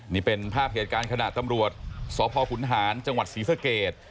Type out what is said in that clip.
นี่เป็นภาพเหตุการณ์ขณะตำรวจสพขุนหารจังหวัดศรีสเกต